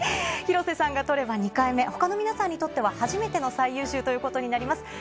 広瀬さんがとれば２回目、ほかの皆さんにとっては初めての最優秀ということになります。